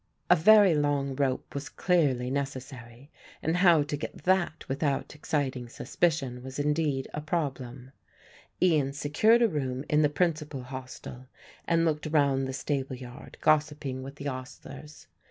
A very long rope was clearly necessary and how to get that without exciting suspicion was indeed a problem. Ian secured a room in the principal hostel and looked round the stable yard, gossiping with the ostlers.